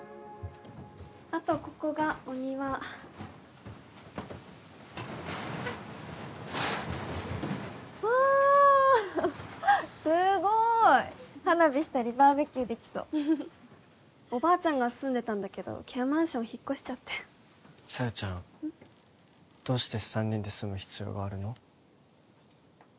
あとここがお庭わあすごい花火したりバーベキューできそうおばあちゃんが住んでたんだけどケアマンション引っ越しちゃって小夜ちゃんどうして３人で住む必要があるの？